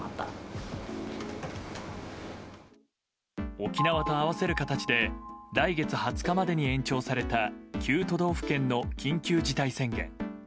沖縄と合わせる形で来月２０日までに延長された９都道府県への緊急事態宣言。